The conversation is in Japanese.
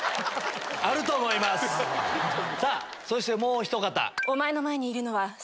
さぁそしてもうひと方。